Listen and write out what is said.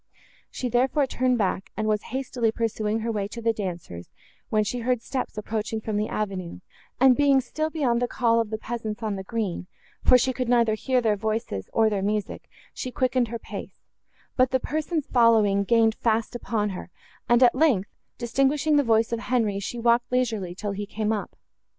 She, therefore, turned back, and was hastily pursuing her way to the dancers, when she heard steps approaching from the avenue; and, being still beyond the call of the peasants on the green, for she could neither hear their voices, nor their music, she quickened her pace; but the persons following gained fast upon her, and, at length, distinguishing the voice of Henri, she walked leisurely, till he came up.